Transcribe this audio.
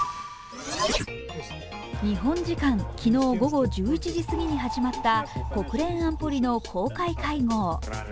日本時間昨日午後１１時過ぎに始まった国連安保理の公開会合。